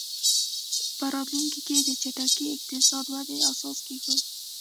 په راتلونکي کې یې د چټکې اقتصادي ودې اساس کېښود.